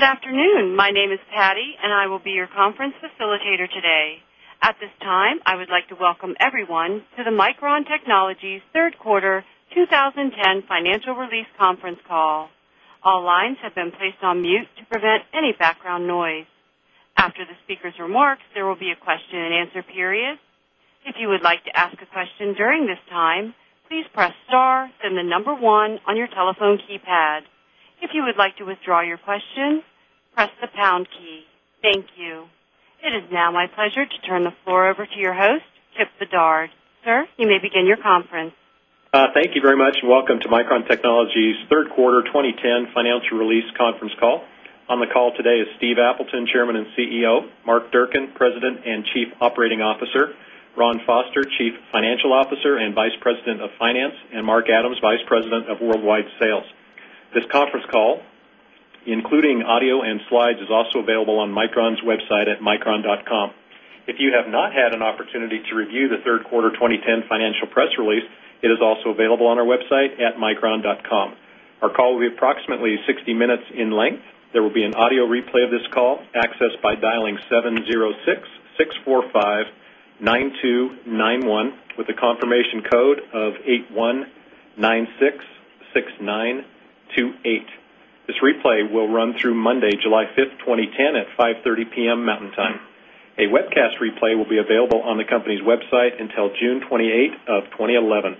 Good afternoon. My name is Patty, and I will be your conference facilitator today. At this time, I would like to welcome everyone to the Micron Technologies Third Quarter 2010 Financial Release Conference Call. All lines have been placed on mute Thank you. It is now my pleasure to turn the floor over to your host, Chip Bedard. Sir, you may begin your conference. Thank you very much and welcome to Micron Technologies third quarter 2010 financial release conference call. On the call today is Steve Appleton, Chairman and CEO Mark Durkin, President and Chief Operating Officer Ron Foster, Chief Financial Officer and Vice President of Finance and Mark Adams, Vice President of Worldwide Sales. This conference call, including audio and slides is also available on Micron's website at micron.com. You have not had an opportunity to review the third quarter 2010 financial press release, it is also available on our website at micron.com. Our call will be approximately 60 minutes in length. There will be an audio replay of this call accessed by dialing 706 645-9291 with a confirmation code of 8196 6928. This replay will run through Monday, July 5 2010 at 5:30 pm. Mountain Time. A webcast replay will be available on the company's website until June 28 2011.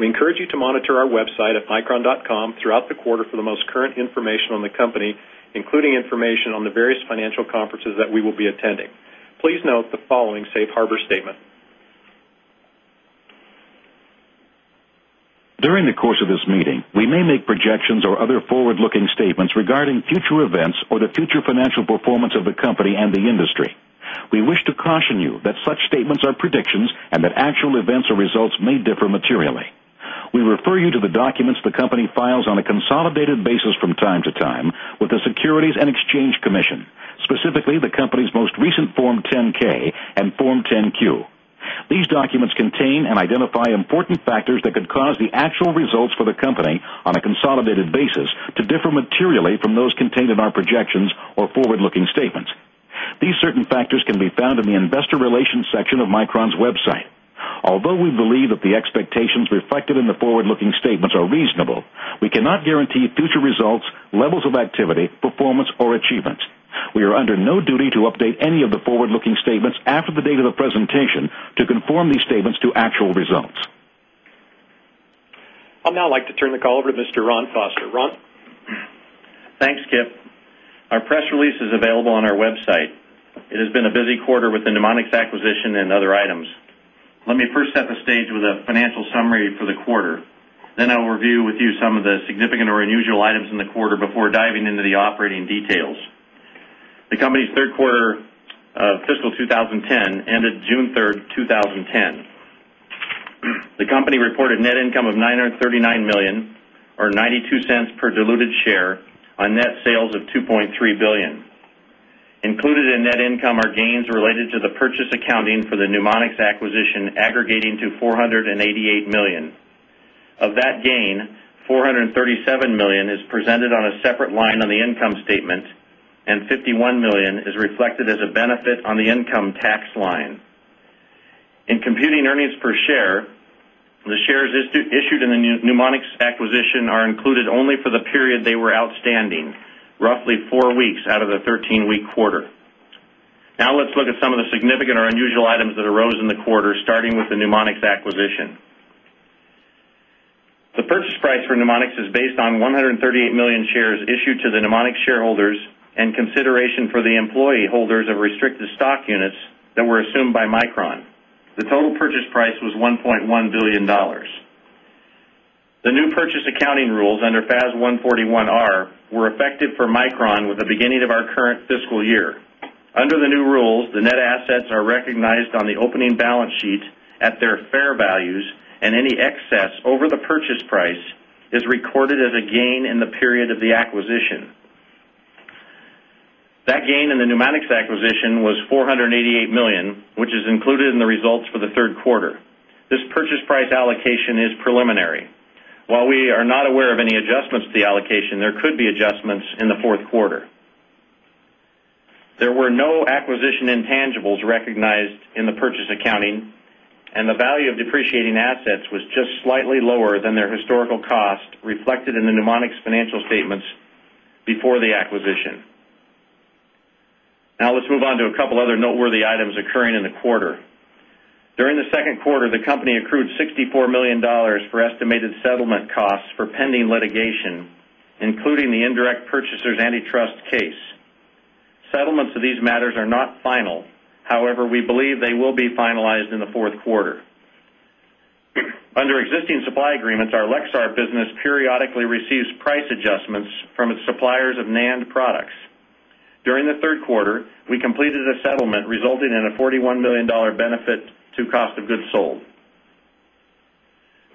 We encourage you to monitor our website at micron. Com throughout the quarter for the most current information on the company, including information on the various financial conferences that we will be attending. Please note the following Safe Harbor statement. During the course of or the future financial performance of the company and the industry. We wish to caution you that such statements are predictions and that actual events or results may differ materially. We refer you to the documents the company files on a consolidated basis from time to time with the Securities And Exchange Commission. Specifically the company's most recent Form 10 K and Form 10 Q. These documents contain and identify important factors that could cause the actual results for the company a consolidated section of Micron's website. Although we believe that the expectations reflected in the forward looking statements are reasonable, we cannot guarantee future results levels of activity, performance or achievements. We are under no duty to update any of the forward looking statements after the date of the presentation to conform these statements to actual results. I'll now like to turn the call over to Mr. Ron Foster. Ron? Thanks, Kipp. Our press release is available on our website. It has been a busy quarter with the NeuMoDx acquisition and other items. Let me first set the stage with a financial summary for the quarter. Then I'll review with you some of the significant or unusual items in the quarter before diving into the operating details. The company's 3rd quarter of fiscal 2010 ended June 3 2010. The company reported net income of $939,000,000 or $0.92 per diluted share on net sales of $2,300,000,000. Included in net income are gains related to the purchase accounting for the NeuMoDx acquisition aggregating to $488,000,000. Of that gain, $437,000,000 is presented on a separate line on the income statement and $51,000,000 is reflected as a benefit on the income The shares issued in the NeuMoonics acquisition are included only for the period they were outstanding, roughly 4 weeks out of the 13 week quarter. Let's look at some of the The purchase price for Pneumonics is based on 138,000,000 shares issued to the Pneumonics shareholders and consideration for the employee holders of restricted stock units that were assumed by Micron. The total purchase price was $1,100,000,000. The new purchase accounting rules under FAS 141R were effective for Micron with the beginning of our current fiscal year. Under the new rules, the net assets are recognized on the opening balance sheet at their fair values and any excess over the purchase price is recorded as a gain in the period of the acquisition. That gain in the Pneumonics acquisition was $488,000,000, which is included in the results for the 3rd quarter. This purchase price allocation is preliminary. While we are not aware in the purchase accounting and the value of depreciating assets was just slightly lower than their historical cost reflected in the Mnemonic's financial statements before the acquisition. Now let's move on to a couple other noteworthy items occurring in the quarter. During the second quarter, the company accrued $64,000,000 for estimated settlement costs for pending litigation, including the indirect purchasers antitrust case. Settlement of these matters are not final. However, we believe they will be finalized in the 4th quarter. Under existing supply agreements, our Lexar business periodically receives price adjustments from its suppliers of NAND products. During the third quarter, we completed a settlement, resulting in a $41,000,000 benefit to cost of goods sold.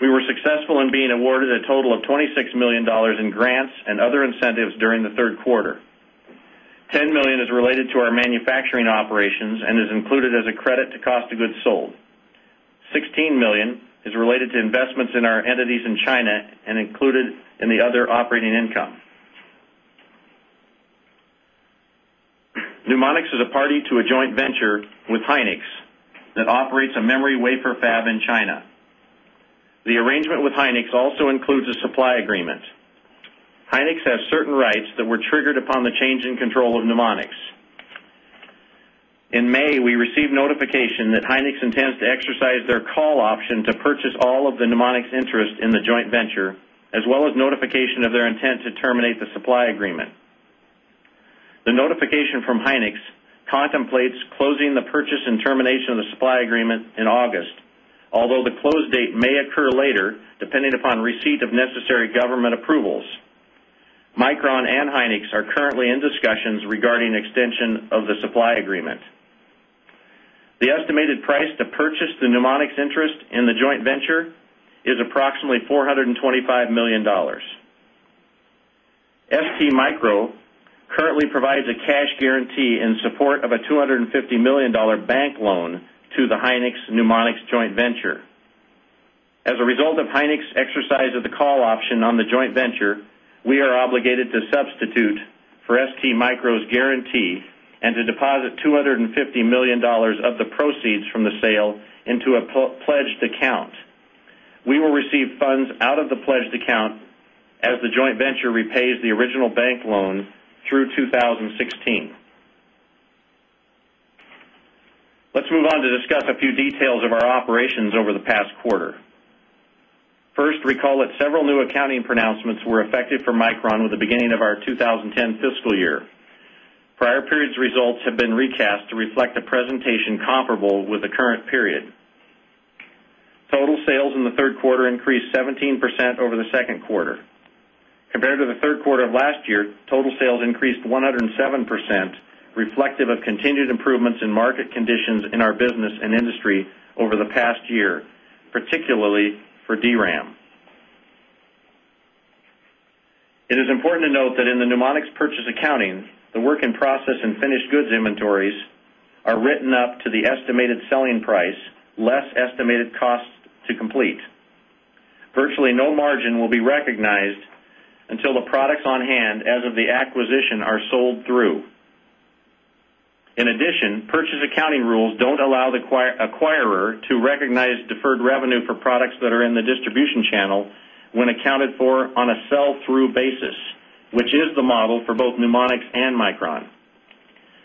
We were successful in being awarded a total of $26,000,000 in grants and other incentives during the third quarter $10,000,000 is related to our manufacturing operations and is included as a credit to cost of goods sold. $16,000,000 is related to investments in our entities in China and included in the other operating income. Mnemonics is a party to a joint venture with Hynix that operates a memory wafer fab in China. The arrangement with Hynix also includes a supply agreement. Hynix has certain rights that were triggered upon the change in control of Pneumonics. In May, we received notification that Hynix intends to their call option to purchase all of the mnemonics interest in the joint venture as well as notification of their intent to terminate the supply agreement. The notification from Hynix contemplates closing the purchase and termination of the supply agreement in August. Although the close date may occur later, depending upon receipt of necessary government approvals. Micron and Hynix are currently in discussions regarding extension of the supply agreement. The estimated price to purchase the Pneumonics interest in the joint venture is approximately $4.25 in support of a $250,000,000 bank loan to the Hynix Neuronix joint venture. As a result of Hynix exercise of the call option on the joint venture, we are obligated to substitute for STMicro's guarantee and to deposit $250,000,000 of the proceeds from the sale into a pledged account. We will receive funds out of the pledged account as the joint venture repays the original bank loan through 2016. Let's move on to discuss a few details of our operations over the 10 fiscal year. Prior periods results have been recast to reflect the presentation comparable with the current period. Total sales in the 3rd quarter increased 17% over the 2nd quarter. Compared to the third quarter of last year, total sales increased 107% reflective of continued improvements in market conditions in our It is important to note that in the Pneumonics purchase accounting, the work in process and finished goods inventories are written up to the estimated selling until the products on hand as to recognize deferred revenue for products that are in the distribution channel when accounted for on a sell through basis, which is the model for both mnemonics and Micron.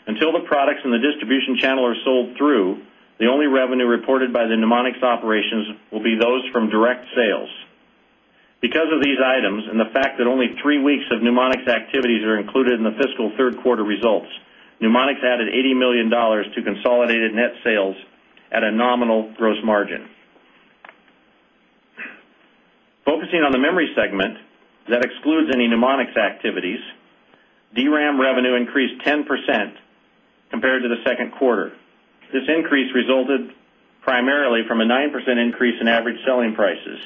Until the products in the distribution channel are sold through, the only revenue reported by the Nemonics operations will be those from direct sales. Because of these items and the fact that only 3 weeks of NeuMoDx activities are included in the fiscal third quarter results, NeuMoDx added $80,000,000 to consolidated net sales at a nominal gross margin. Focusing on the memory segment that excludes any mnemonics activities DRAM revenue increased 10% compared to the second quarter. This increase resulted primarily from a 9% increase in average selling prices.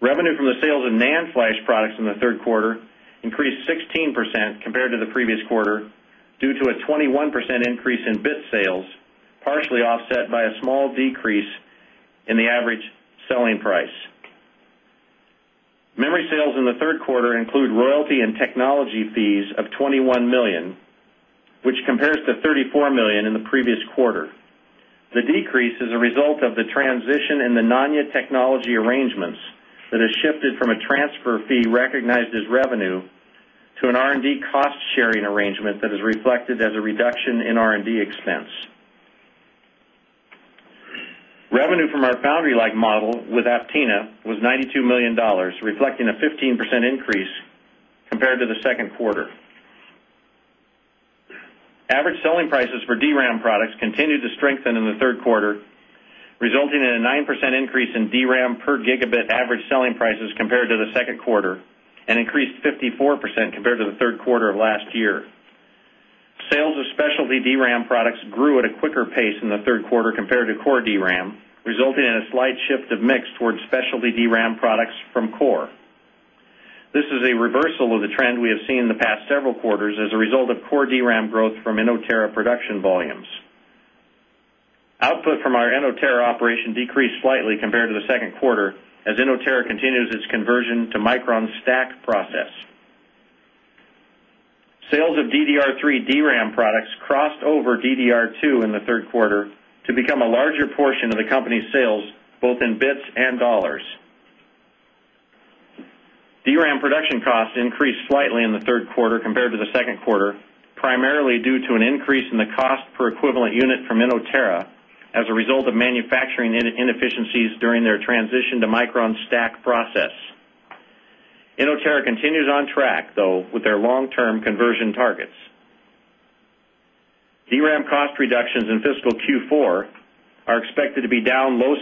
Revenue from the sales of NAND Flash products in the 3rd quarter increased 16% compared to the previous quarter due to a 21% increase in bit sales partially offset by a small decrease in the average selling price. Memory sales in the 3rd quarter include royalty and technology fees of $21,000,000, which compares to $34,000,000 in the previous quarter. The decrease is a result of the transition in the Nanya Technology arrangements that has shifted from a transfer fee recognized as revenue to an R and D cost sharing arrangement that is reflected as a reduction in R and D expense. Revenue from our foundry like model with Aptina was $92,000,000, reflecting a 15% increase compared to the 2nd quarter. Average selling prices for percent increase in DRAM per gigabit average selling prices compared to the 2nd quarter and increased 54% compared to the third quarter of last year. Sales of specialty DRAM products grew at a quicker pace in the third quarter compared to core DRAM, resulting in a slight shift of mix towards specialty DRAM products from core. This is a reversal of the trend we have seen in the past several quarters as a result of core DRAM growth from Innovara production volumes. Output from our Innoterra operation decreased slightly compared to the second quarter as Innoterra continues its conversion to Micron's stack process. Sales of DDR3 DRAM products crossed over DDR2 in third quarter to become a larger portion of the company's sales both in bits and dollars. DRAM production costs increased slightly in the third quarter compared to the 2nd quarter primarily due to an increase in the Innoterra continues on track though with our long term conversion targets. DRAM cost reductions in fiscal Q4 are expected to be down low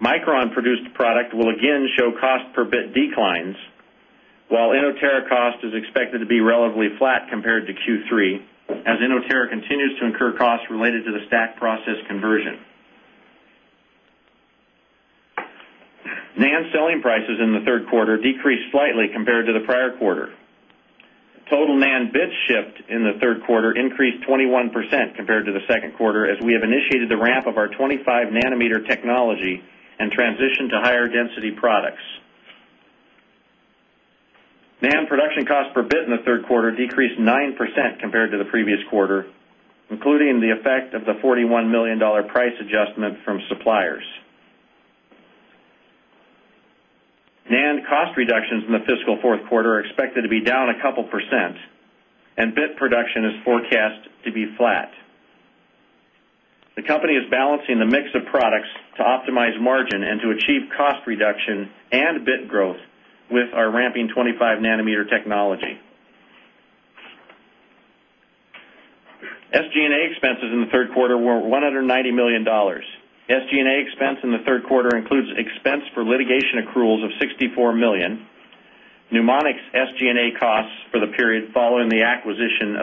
Micron produced product will again show cost per bit declines, while in Oterra cost is expected to be relatively flat compared to Q3. As InnoTera continues to incur costs related to the STACK process conversion. NAND selling prices in the 3rd quarter decreased slightly compared to the prior quarter. Total NAND bit shift in the third quarter increased 21% compared to the second quarter as we have initiated the ramp of our 25 nanometer technology and transition to higher density products. NAND production cost per bit in the 3rd quarter decreased 9% compared to the previous quarter. Including the effect of the NAND cost reductions in the fiscal 4th quarter expected to be down a couple of percent and bit production is forecast to be flat. The company is balancing the mix of products to optimize margin and to achieve cost reduction and bit growth with our ramping 25 nanometer technology. SG and A expenses in the third quarter were $190,000,000. SG and A expense in the 3rd quarter includes expense for litigation accruals of $64,000,000 NUemonics SG and A costs for the period following the acquisition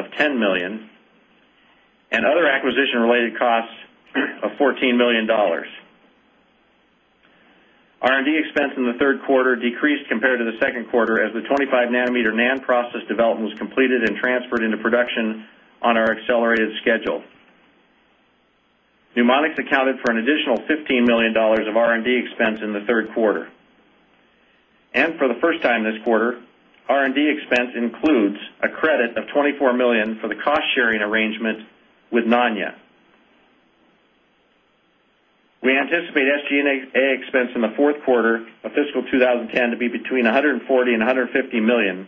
R and D expense in the 3rd quarter decreased compared to the 2nd quarter as the 25 nanometer NAND process development was completed and transferred into production on our accelerated schedule. NeuMoDx accounted for an additional $15,000,000 of R and D expense in the third quarter. And for the first time this quarter, R and D expense includes a credit of $24,000,000 for the cost sharing arrangement with non GAAP. We anticipate SG and A expense in the fourth quarter of fiscal 2010 to be between $140,000,000 $150,000,000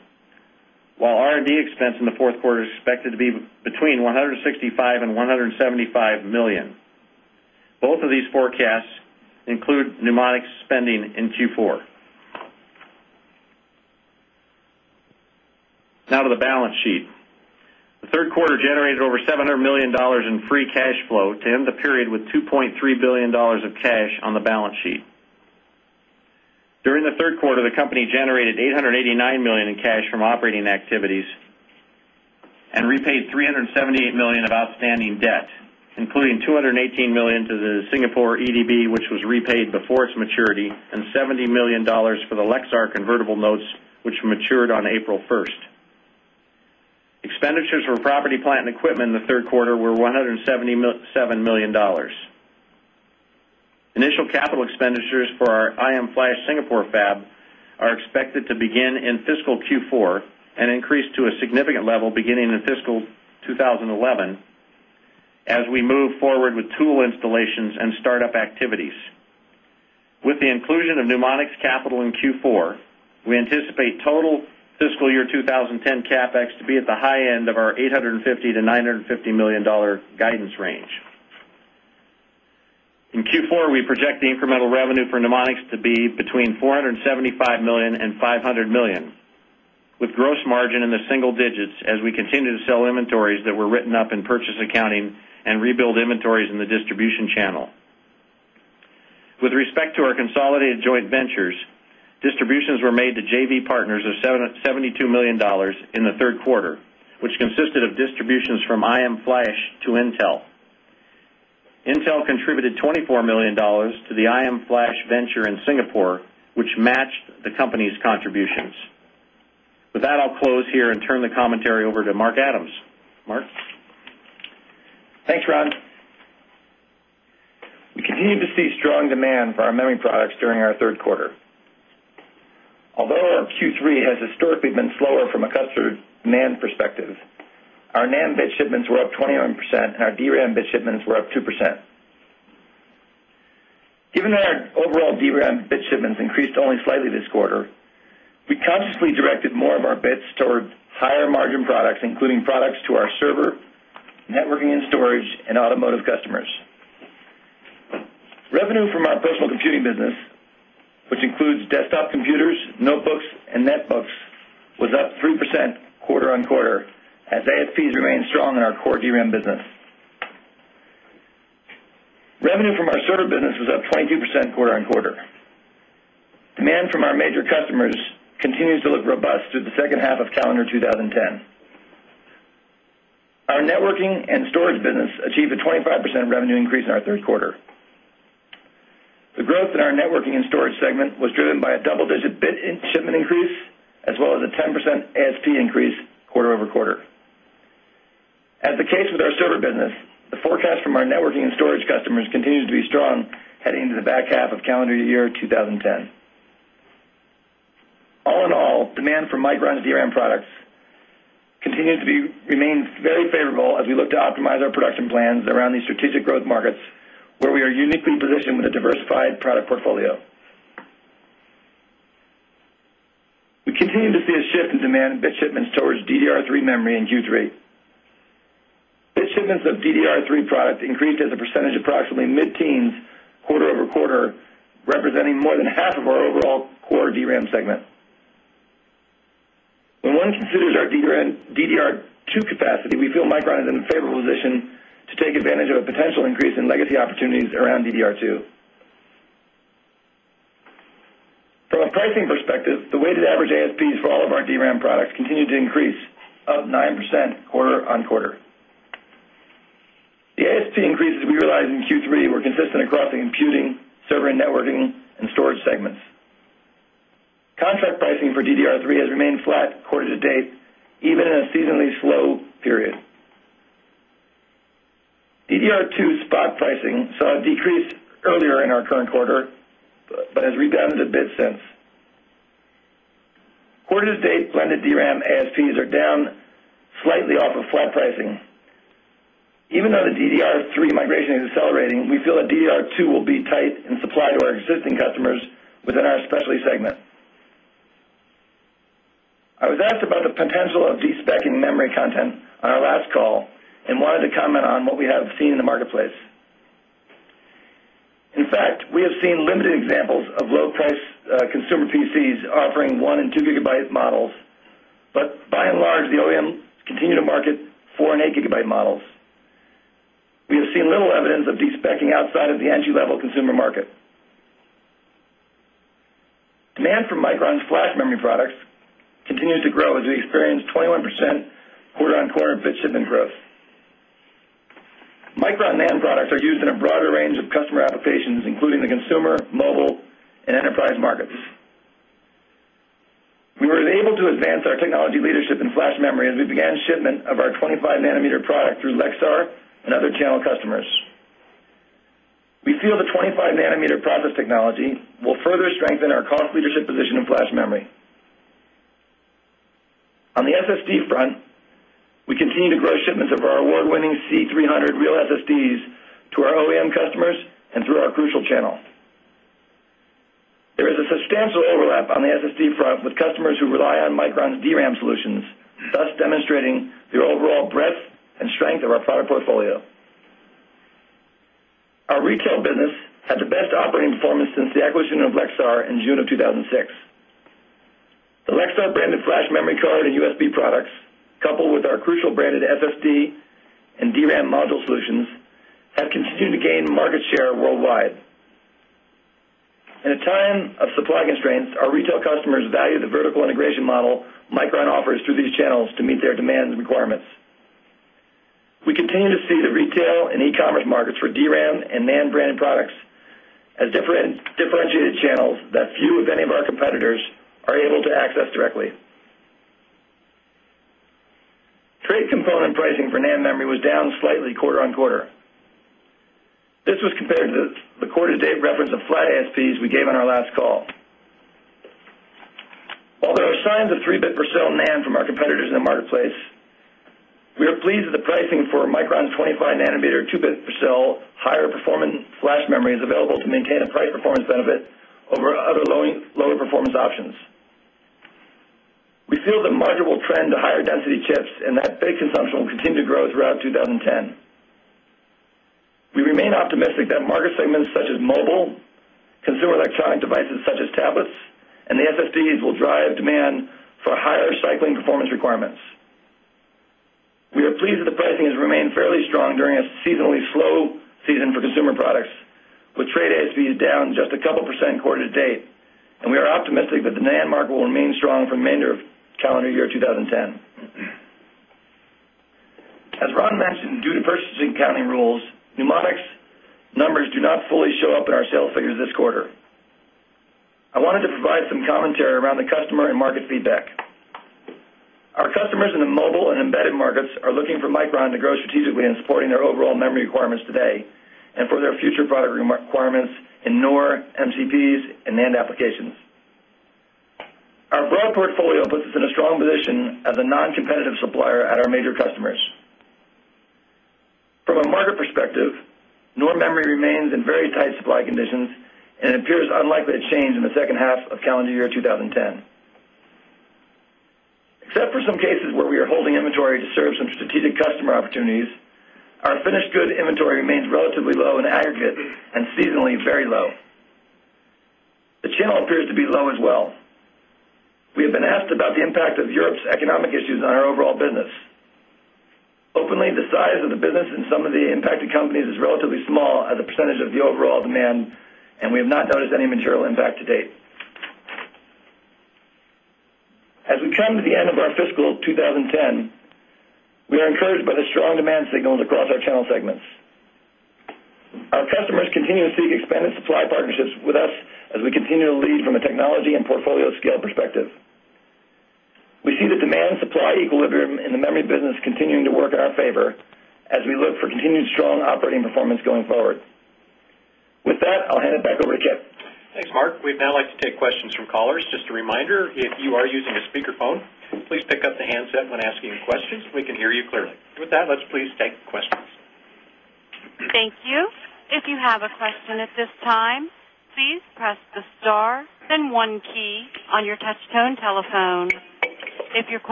while R and D expense in the 4th quarter is expected to be between $165,000,000 $175,000,000. Both of these forecasts include NeuMoDx spending in Q4. Now to the balance sheet. The third quarter generated over $700,000,000 in free cash flow to end the period with $2,300,000,000 of cash on the balance sheet. During the third quarter, the company generated $889,000,000 in cash from operating activities and repaid $378,000,000 of outstanding debt. Including $218,000,000 to the Singapore EDB, which was repaid before its maturity and $70,000,000 for the Lexar convertible notes, which matured on April 1st. Expenditures for property, plant and equipment in the third quarter were $177,000,000. Initial capital expenditures for our I'm Flash Singapore fab are expected to begin in fiscal Q4 and increased to a significant level beginning in fiscal 2011 as we move forward with tool installations and startup activities. With the inclusion of Pneumonics Capital in Q4, we anticipate total fiscal year 20 10 CapEx to be at the high end of our 8.50 to 9 $50,000,000 $75,000,000 $500,000,000 with gross margin in the single digits as we continue to sell inventories that were written up in purchase accounting and rebuild inventories in the distribution channel. $72,000,000 in the 3rd quarter, which consisted of distributions from I'm Flash to Intel. Intel contributed $24,000,000 to the I'm Flash Venture in Singapore, which matched the company's contributions. With that, I'll close here and turn the commentary over to Mark Adams. Mark? We continue to see strong demand for our memory products during our third quarter. Although our Q3 has historically been slower from a customer demand perspective, Our NAND bit shipments were up 21% and our DRAM bit shipments were up 2%. Given that our overall DRAM bit shipments increased only slightly this quarter. We consciously directed more of our bits towards higher margin products, including products to our server, networking and storage and automotive customers. Revenue from our personal computing business, which includes desktop computers, notebooks, and net books was up 3% quarter on quarter as AFPs remained strong in our core DRAM business. Revenue from our Sorter business was up 22 percent quarter on quarter. Demand from our major customers continues to look robust through the second half of calendar twenty ten. Our networking and storage business achieved a 25% revenue increase in our 3rd quarter. The growth in our networking and storage segment was driven by a double digit bit in shipment increase as well as a 10% ASP increase quarter over quarter. As the case with our server business, the forecast from our networking and storage customers continues to be strong heading into the back half of calendar year twenty ten. All in all, demand for Micron's DRAM products continue to be remains very favorable as we look to optimize our production plans around these strategic growth markets where we are uniquely positioned with a diversified product portfolio. We continue to see a shift in demand of bit shipments towards DDR3 Memory in Q3. Bit shipments of DDR3 products increased as a percentage of in the mid teens quarter over quarter, representing more than half of our overall core DRAM segment. When one considers our DDR2 capacity, we feel Micron is in a favorable position to take advantage of a potential increase in legacy opportunities around DDR2. From a pricing perspective, the weighted average ASPs for all of our DRAM products continued to increase of 9% quarter on quarter. The ASP increases we realized in Q3 were consistent across the imputing, server and networking and storage segments. Contract pricing for DDR3 has remained flat quarter to date even in a seasonally slow period. DDR2 spot pricing saw a decrease earlier in our current quarter, but has rebounded a bit since. Quarter to date blended DRAM ASPs are down slightly off of flat pricing. Even though the DDR 3 migration is accelerating, we feel a Doctor2 will be tight and supplied to our existing customers within our specialty segment. I was asked about the potential of de specing memory content on our last call and wanted to comment on what we have seen in the marketplace. In fact, we have seen limited examples of low priced consumer PCs offering 1 and 2 gigabytes models but by and large, the OEMs continue to market 4 and 8 gigabyte models. We have seen little evidence of de specking outside of the entry level consumer market. Demand for Micron's flash memory products continues to grow as we experienced 21% quarter on quarter in bit shipment growth. Micron NAND products are used in a broader range of customer applications, including the consumer, mobile, and enterprise markets. We were able to advance our technology leadership in flash memory as we began shipment of our 25 nanometer product through Lexar and other channel customers. We feel the 25 nanometer process technology will further strengthen our cost leadership position in flash memory. On the SSD front, we continue to grow shipments of our award winning C300 real SSDs to our OEM customers and through our crucial channel. There is a substantial overlap on the SSD front with customers who rely on Micron's DRAM solutions, thus demonstrating their overall breadth and strength of our product portfolio. Our retail business had the best operating performance since the acquisition of Lexar in June of 20 The Lexar branded flash memory card and USB products coupled with our crucial branded FSD and DRAM module solutions have continued to gain market share worldwide. In a time of supply constraints, our retail customers value the vertical integration model microon offers through these channels to meet their demands requirements. We continue to see the retail and e commerce markets for DRAM and NAND branded products. As differentiated channels that few of any of our competitors are able to access directly. Trade component pricing for NAND memory was down slightly quarter on quarter. This was compared to the quarter to date reference of flat ASPs we gave on our last call. Although there are signs of 3 bit per cell NAND from our competitors in the marketplace, we are pleased with the pricing for Micron 25 nanometer, 2 per cell higher performance flash memory is available to maintain a price performance benefit over other lower performance options. We feel the market will trend to higher density chips and that big consumption will continue to grow throughout 2010. We remain optimistic that market segments such as mobile, consumer electronic devices such as tablets, and the FSDs will drive demand for higher cycling performance requirements. We are pleased that the pricing has remained fairly strong during a seasonally slow season for consumer products. With trade ASPs down just a couple of percent quarter to date. And we are optimistic that the NAND market will remain strong for the remainder of calendar year 2010. As Ron mentioned, due to purchasing accounting rules, NeuMoDx numbers do not fully show up in our sale figures this quarter. I wanted strategically in supporting their overall memory requirements today and for their future product requirements in NORMCPs and NAND applications. Our broad portfolio puts us in a strong position as a non competitive supplier at our major customers. From a market perspective, nor memory remains in very tight supply conditions and it appears unlikely to change in the second half of calendar year twenty ten. Except for some cases where we are holding inventory to serve some strategic customer opportunities, our finished goods inventory remains relatively low in aggregate, and seasonally very low. The channel appears to be low as well. We have been asked about the impact of Europe's economic issues on our overall business. Openly, the size of the business and some of the impacted companies is relatively small as a percentage of the overall demand, and we have not noticed any material impact to date. As we turn to the end of our fiscal 2010, we are encouraged by the strong demand signals across our channel segments. Our customers continue to seek expanded supply partnerships with us as we continue to lead from a technology and portfolio scale perspective. We see the demand supply equilibrium in the memory business continuing to work in our favor as we look for continued strong operating performance going forward. With that, I'll hand it back over to Chip. Thanks, Mark. We'd now like to take questions from callers. Just a reminder, if you are using a speaker phone please pick up the handset when asking questions. We can hear you clearly. With that, let's please take questions. Thank you.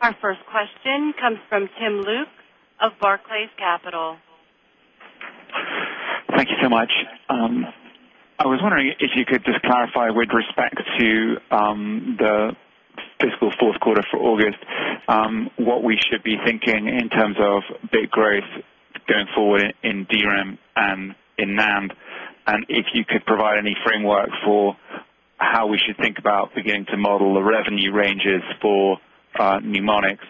Our first question comes from Tim Luke of Barclays Capital. Thank you so much. I was wondering if you could just clarify with respect to the fiscal fourth quarter for August, what we should be thinking in terms of bit growth going forward in DRAM and in NAND? And if you could provide any framework for how we should think about beginning to model the revenue ranges for mnemonics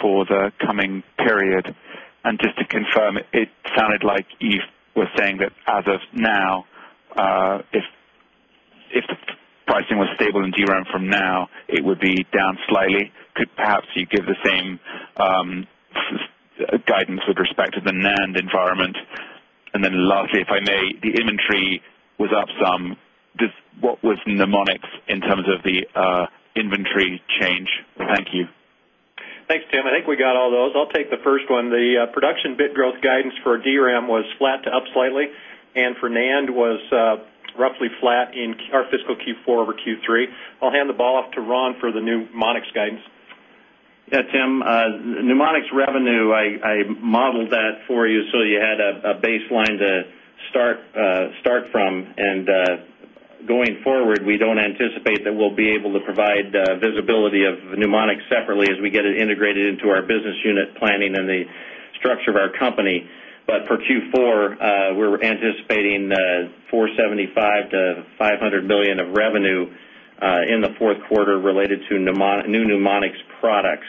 for the coming period. And just to confirm, it sounded like you were saying that as of now, if the pricing was stable in DRAM from now, it would be down slightly. Could perhaps you give the same, guidance with respect to the NAND environment? And then lastly, if I may, the inventory was up some what was mnemonics in terms of the inventory change? Thank you. Thanks, Tim. I think we got all those. I'll take the first one. The production bit growth guidance for DRAM was flat to up slightly. Anne Fernandez was roughly flat in our fiscal Q4 over Q3. I'll hand the ball off to Ron for the new Monnex guidance. Yes, Tim. NeuMoDx revenue, I modeled that for you. So you had a baseline to start from. And going forward, we don't anticipate that we'll be able to provide visibility of mnemonic separately as we get it integrated into our business unit planning and the structure of our company. But for Q4, we're anticipating $475,000,000 to $500,000,000 of revenue in the fourth quarter related to new NeuMoonics products.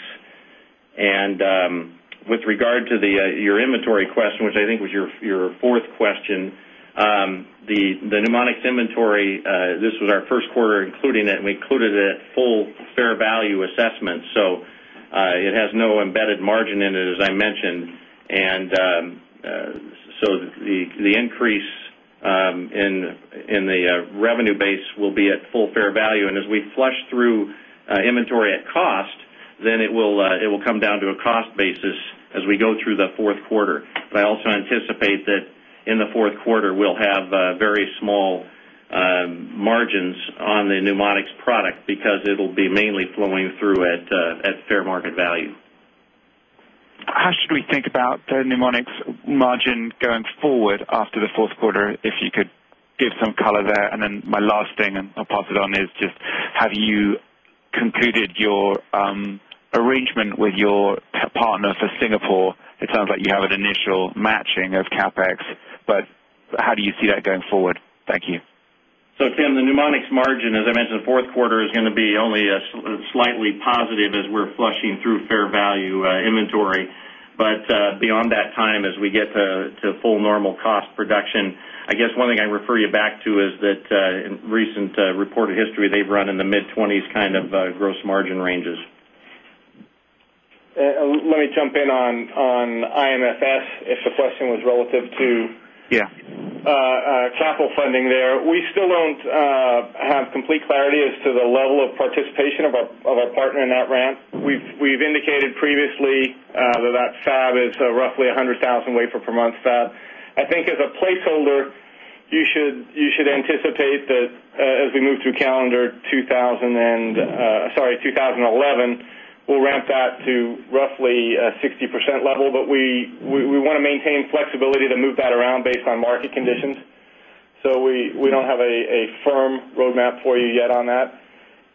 And, with regard to the, your inventory question, which I think was your 4th question, the mnemonics inventory, this was our 1st quarter, including it, and we included a full fair value assessment. So It has no embedded margin in it, as I mentioned. And, so the increase in the revenue base will be at full fair value. And as we flush through inventory at cost, then it will, it will come down to a cost basis as we go through the 4th quarter. But I also anticipate that in the 4th quarter, we'll have a very small margins on the NeuMoDx product because it will be mainly flowing through at fair market value. How should we think about mnemonics margin going forward after the fourth quarter, if you could give some color there? And then my last thing and I'll pass it on is just have you concluded your, arrangement with your partner for Singapore sounds like you have an initial matching of CapEx, but how do you see that going forward? Thank you. So Tim, the NeuMoDx margin, as I mentioned, 4th quarter is going to be only slightly positive as we're flushing through fair value inventory. But beyond that time, as we get to full normal cost production. I guess one thing I refer you back to is that, in recent reported history, they've run-in the mid-20s kind of gross margin ranges. Let me jump in on IMFS if the question was relative to capital funding there. We still don't have complete clarity as to the level of participation of our partner in that ramp. We've indicated previously that that fab is roughly 100,000 wafer per month fab. I think as a placeholder, you should anticipate that as we move through calendar 2011, we'll ramp that to roughly 60% level, but we we want to maintain flexibility to move that around based on market conditions. So we don't have a firm roadmap for you yet on that.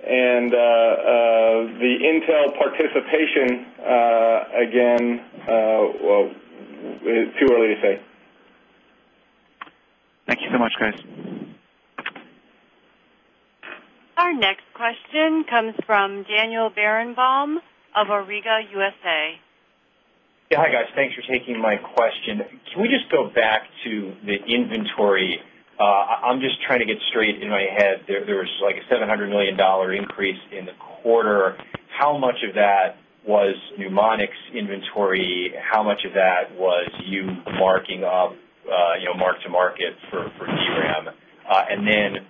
And, the Intel participation, again, well, too early to say. Thank you so much guys. Our next question comes from Daniel Baronbaum of Origa USA. Hi guys. Thanks for taking my question. Can we just go back to the inventory? I'm just trying to get straight in my head. There was like $700,000,000 increase in the quarter. How much of that was mnemonics inventory? How much of that was you marking up mark to market for DRAM. And then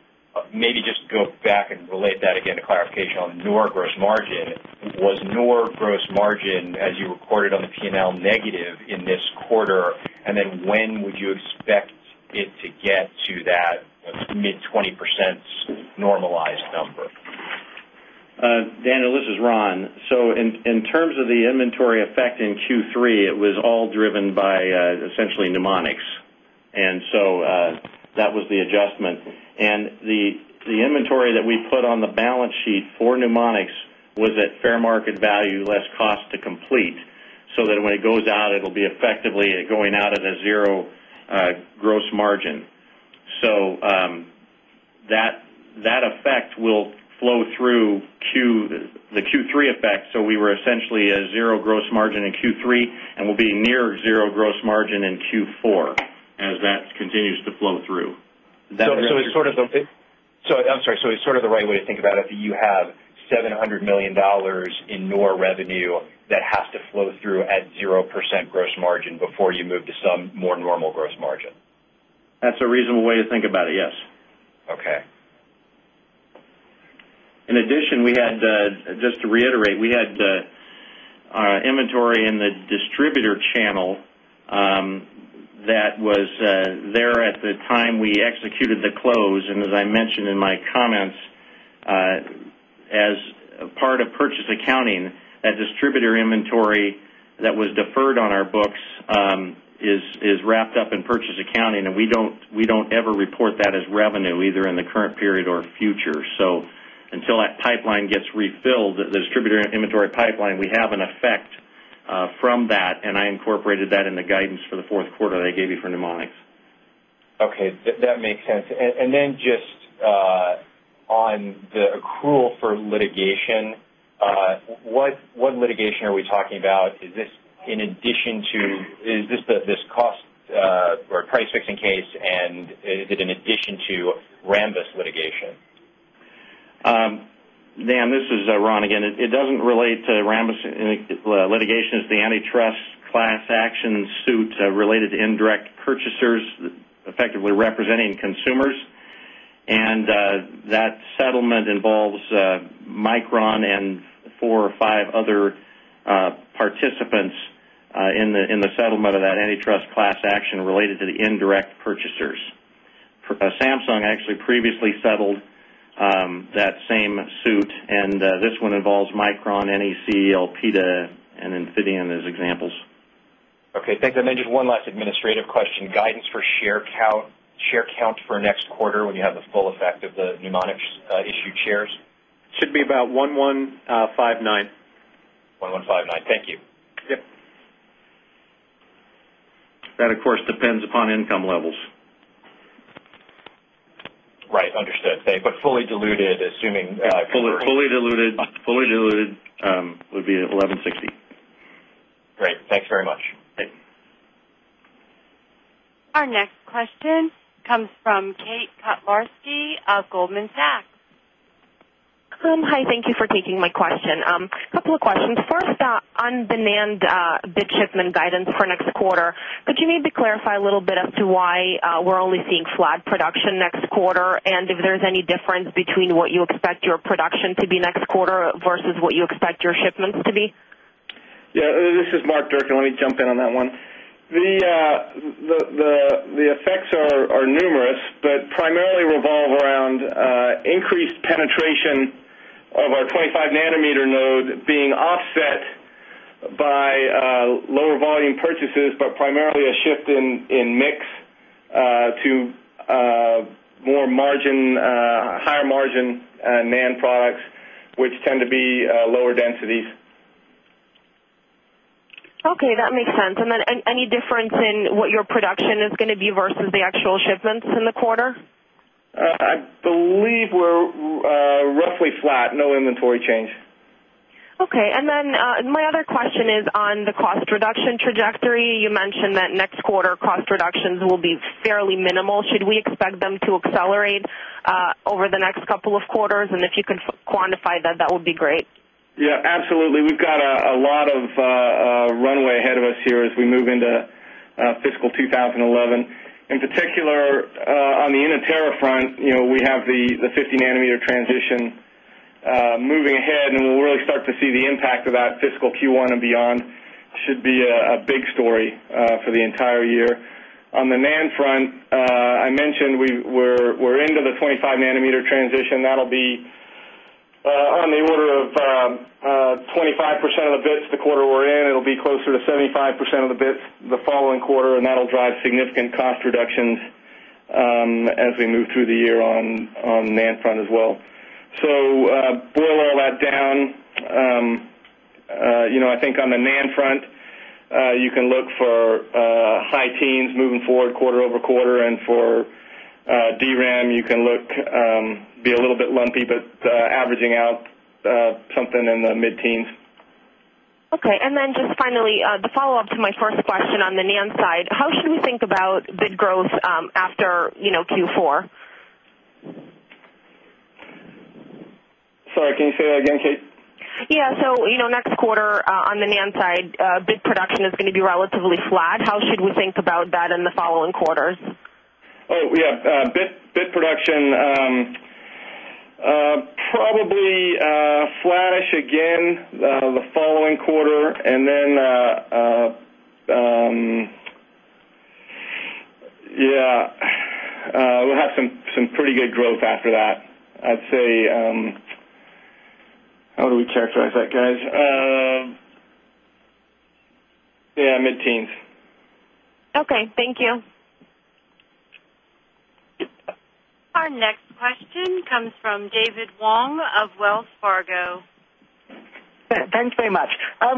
maybe just go back and relate that again to clarification on your gross margin was nor gross margin as you recorded on the P and L negative in this quarter? And then when would you expect it to get to that mid-twenty percent normalized number? Daniel, this is Ron. So in terms of the inventory effect in Q3, it was all driven by essentially mnemonics. And so, that was the adjustment. And the inventory that we put on the balance sheet for mnemonics was at fair market value less cost to complete so that when it goes out, it'll be effectively going out in a 0 gross margin. So, that effect will flow through the Q3 effect we were essentially a 0 gross margin in Q3 and will be near 0 gross margin in Q4 as that continues to flow through. So I'm sorry, so it's sort of the right way to think about it that you have $700,000,000 in nor revenue that has to flow through at 0% gross margin before you move some more normal gross margin? That's a reasonable way to think about it. Yes. Okay. In addition, we had just to reiterate, we had inventory in the distributor channel, that was, there at the time we executed the close. And as I mentioned in my comments, as part of purchase accounting, that distributor inventory that was deferred on our books, is wrapped up in purchase accounting and we don't ever report that as revenue either in the current period or future. So until that pipeline gets refilled, the distributor inventory pipeline, we have an effect, from that. And I incorporated that in the guidance for the fourth quarter that I gave you for pneumonics. Okay. That makes sense. And then just, on the accrual for litigation What what litigation are we talking about? Is this in addition to is this cost price fixing case and is it in addition to Rambus litigation? Dan, this is Ron again. It doesn't relate to Rambus litigation is the antitrust class action suit related to indirect purchasers effectively representing consumers. And that settlement involves Micron and 4 or 5 other participants in the settlement of that antitrust class action related to the indirect purchasers. Samsung actually previously settled that same suit. And this one involves Micron, NAC, LPDA and Infineon as examples. Okay. Thanks. And then just one last administrative question. Guidance for share count for next quarter when you have the full effect of the Mnemonic issued shares. Should be about 1159. 1159. Thank you. That of course depends upon income levels. Right. Understood. But fully diluted assuming Fully diluted fully diluted, would be at 11.60. Great. Thanks very much. Thanks. Our next question comes from Kate Cutlarski of Goldman Sachs. Hi, thank you for taking my question. Couple of questions. First on the NAND bit shipment guidance for next quarter. Could you maybe clarify a little bit as to why we're only seeing flat production next quarter if there's any difference between what you expect your production to be next quarter versus what you expect your shipments to be? Yes. This is Mark Durkin. Let me jump in on that one. The, the effects are numerous, but primarily revolve around, increased penetration of our 25 nanometer node being offset by lower volume purchases, but primarily a shift in mix to more margin, higher margin NAND products, which tend to be lower densities. Okay. That makes sense. And then any difference in what your production is going to be versus the actual shipments in the quarter? I believe we're roughly flat. No inventory change. Okay. And then my other question is on the cost reduction trajectory. You mentioned that next quarter cost reductions will be fairly minimal. Should we expect them to accelerate, over the next couple of quarters? And if you could quantify that, that would be great. Yes, absolutely. We've got a lot of runway ahead of us here as we move into fiscal 2011. In particular, on the Inanterra front, we have the 50 nanometer transition moving ahead and we'll really start to see the impact of that fiscal Q1 and beyond should be a big story for the entire year. On the NAND front, I mentioned we're into the 25 nanometer transition. That'll be on the order of 25% of the bids the quarter we're in. It'll be closer to 75% of the bids the following quarter and that'll drive significant cost reductions as we move through the year on NAND front as well. So boil all that down. I think on the NAND front, you can look for high teens moving forward quarter over quarter and for DRAM, you can look, be a little bit lumpy, but averaging out something in the mid teens. Okay. And then just finally, the follow-up to my first question on the NAND side, how should we think about the growth after Q4? Sorry, can you say that again, Kate? Yes. So next quarter on the NAND side, bid production is going to be relatively flat. How should we think about that in the following quarters? Oh, yes, bid bid production, probably, flattish again the following quarter and then yeah, we'll have some pretty good growth after that. I'd say, how do we characterize that guys? Yeah, mid teens. Okay. Thank you. Our next question comes Thanks very much.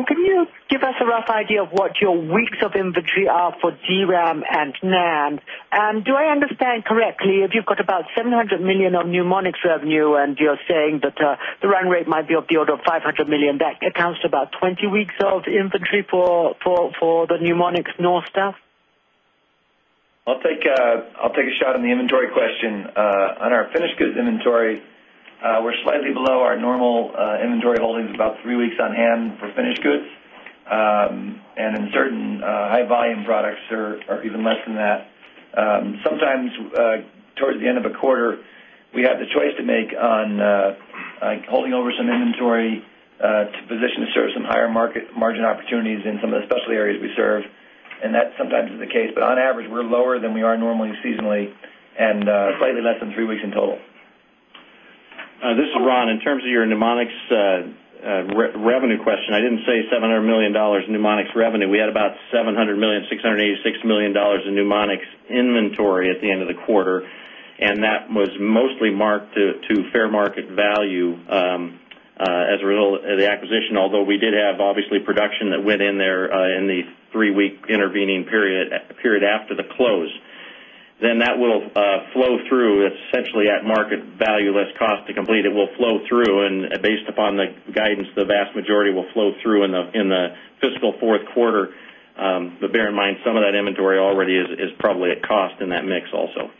Can you give us a rough idea of what your weeks of inventory are for DRAM and NAND And do I understand correctly if you've got about 1,000,000 of mnemonics revenue and you're saying that the run rate might be up to 1,000,000 accounts to about 20 weeks of inventory for the mnemonic's north staff? I'll take a shot on the inventory question, on our finished goods inventory, we're slightly below our normal inventory holdings about 3 weeks on hand for finished goods, and in certain high volume products or even less than that. Sometimes towards the end of the quarter, we have the choice to make on holding over some inventory to position to serve some higher market margin opportunities in some of the specialty areas we serve. And that sometimes is the case, but on average, we're lower than we are normally seasonally and slightly less than 3 weeks in total. This is Ron. In terms of your NeuMoDx revenue question, I didn't say 700 dollars mnemonics revenue. We had about $700,000,000 $686,000,000 in mnemonics inventory at the end of the quarter. And that was mostly mark to fair market value, as a real, the acquisition, although we did have, obviously, production that went in there in the 3 week intervening period, period after the close. Then that will flow through essentially at market value less cost to complete. It will flow through. And based upon guidance, the vast majority will flow through in the fiscal fourth quarter. But bear in mind, some of that inventory already is probably at cost in that mix also.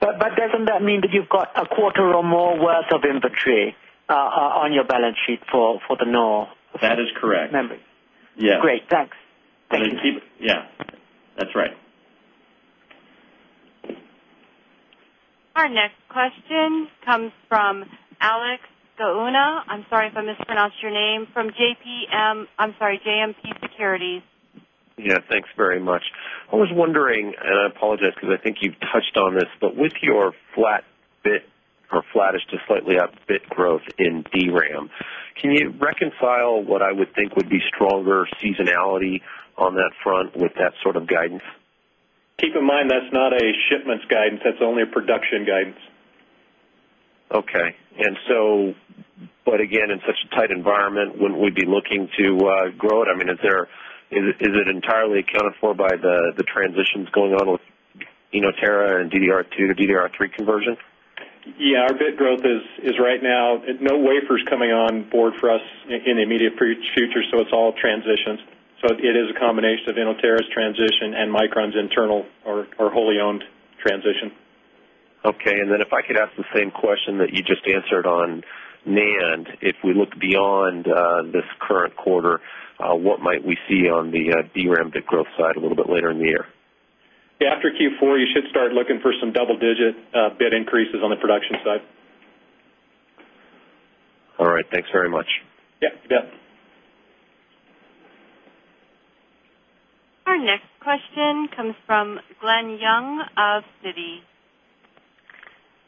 But doesn't that mean that you've got a quarter or more worth of inventory on your balance sheet for the NOR? That is correct. Yeah, that's right. Our next question comes from Alex Gouna. I'm sorry if I mispronounced your name from JMP Securities. Yes, thanks very much. I was wondering, and I apologize, because I think you've touched on this, but with your flat bit or flattish to slightly up bit growth in DRAM, Can you reconcile what I would think would be stronger seasonality on that front with that sort of guidance? Keep in mind that's not a shipment's guidance. That's only a production guidance. Okay. And so But again, in such a tight environment, when we'd be looking to grow it, I mean, is there is it entirely accounted for by the transitions going on with Inoterra and DDR3 conversion? Yes, our bit growth is right now. No wafers coming on board for us in the immediate future. So it's all transitions. So it is a combination of Innovara's transition and Micron's internal or wholly owned transition. Okay. And then if I could ask the same question that you just answered on NAND, if we look beyond this current quarter, what might we see on the DRAM bit growth side a little bit later in the year? Yes. After Q4, you should start looking for some double digit bid increases on the production side. All right. Thanks very much. Our next question comes from Glenn Young of Citi.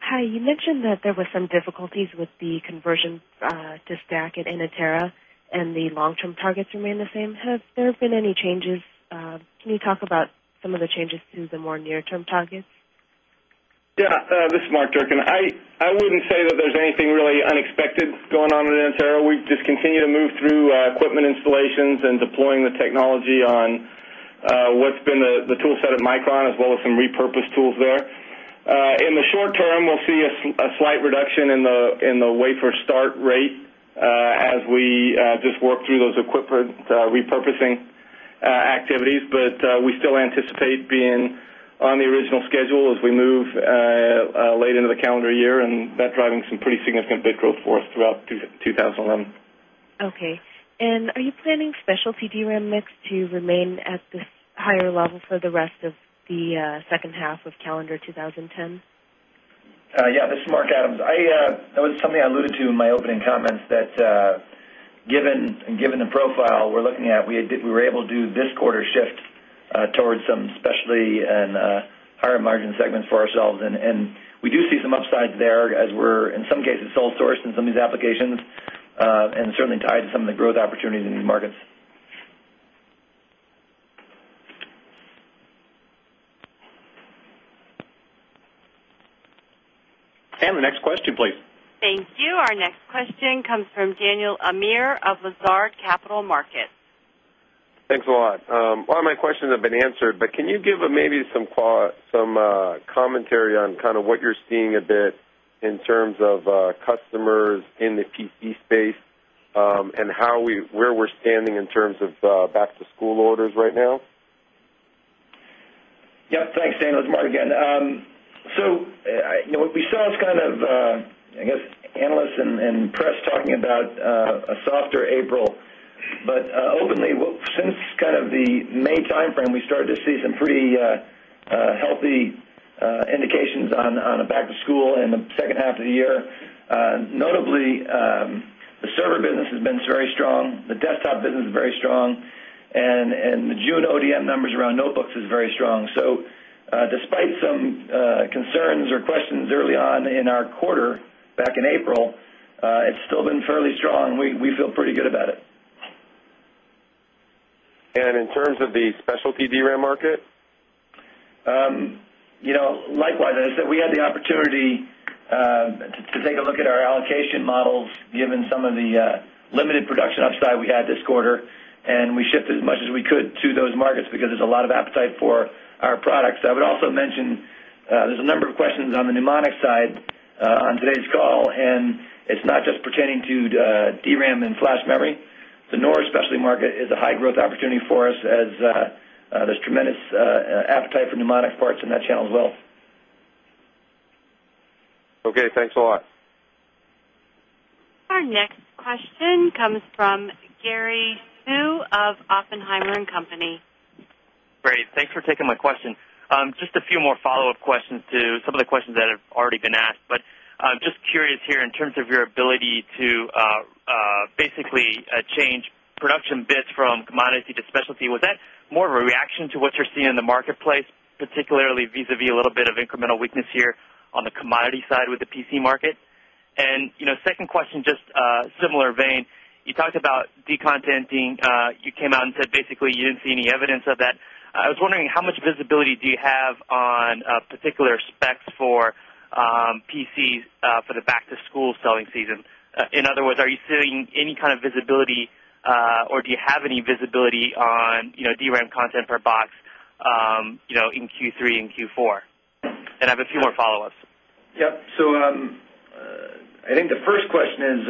Hi. You mentioned that there was some difficulties with the conversion to stack at Innovara and the long term targets remain the same. Has there been any changes? Can you talk about some of the changes to the more near term targets? Yes. This is Mark Durkin. I wouldn't say that there's anything really unexpected going on with Antero. We just continue to move through equipment installations and deploying the technology on what's been the tool set at Micron as well as some repurposed tools there. In the short term, we'll see a slight reduction in the wafer start rate as we just work through those equipment repurposing activities, but we still anticipate being on the original schedule as we move, late into the calendar year and that's driving some pretty it's going to be a bit growth for us throughout 2011. Okay. And are you planning specialty DRAM mix to remain at this higher level for the rest of the second half of calendar twenty ten? Yes, this is Mark Adams. Was something I alluded to in my opening comments that given the profile we're looking at, we had we were able to do this quarter shift towards some specialty and higher margin segments for ourselves. And we do see some upsides there as we're in some cases sole sourced in some of these applications. And certainly tied to some of the growth opportunities in these markets. And the next question please. Thank you. Our next question comes from Daniel Amir of Lazard Capital Markets. Thanks a lot. A lot of my questions have been answered, but can you give maybe some commentary on kind of what you're seeing a bit in terms of, customers in the PC space, and how we, where we're standing in terms of, back to school orders right now? Yeah. Thanks, Dan. It's Mark again. So what we saw is kind of, I guess, analysts and press talking about a softer April. But openly, since kind of the May timeframe, we started to see some pretty healthy indications on a back to school in the second half of the year. Notably, the server business has been very strong. The desktop business is very strong. And the June ODM numbers around notebooks is very strong. So despite some concerns or questions early on in our quarter back in April, it's still been fairly strong. We feel pretty good about it. And in terms of the specialty DRAM market? Likewise, I said, we had the opportunity to take a look at our allocation models given some of the limited production upside we had this quarter and we shipped as much as we could those markets because there's a lot of appetite for our products. I would also mention there's a number of questions on the mnemonic side on today's call. And It's not just pertaining to DRAM and Flash memory. The Nora specialty market is a high growth opportunity for us as There's tremendous appetite for pneumonics parts in that channel as well. Okay. Thanks a lot. Our next question comes from Gary Hu of Oppenheimer And Company. Great. Thanks for taking my question. Just a few more follow-up questions to some of the questions that have already been asked. But I'm just curious here in terms of your ability to basically change production bits from commodity to specialty. Was that more of a reaction to what you're seeing in the marketplace? Particularly vis a vis a little bit of incremental weakness here on the commodity side with the PC market? And second question, just a similar vein, you talked about decontenting, you came out and said, basically, you didn't see any evidence of that. I was wondering how much visibility do you have on particular specs for PCs for the back to school selling season? In other words, are you seeing any kind of visibility, or do you have any visibility on DRAM content per box in Q3 and Q4? And I have a few more follow ups. Yes. So, I think the first question is,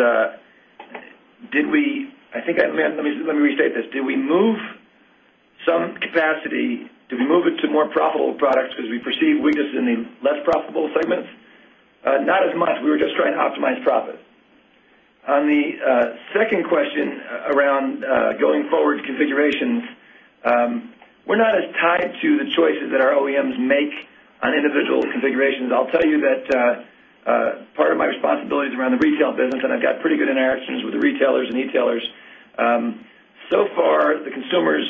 did we I think let me restate this. Did we move some capacity? Did we move it to more profitable products? Because we foresee weakness in the less profitable segments, not as much. We were just trying to optimize profit. On the second question around going forward configurations, We're not as tied to the choices that our OEMs make on individual configurations. I'll tell you that part of my responsibilities around the retail business and I've got pretty good interactions with the retailers and e tailers. So far, the consumers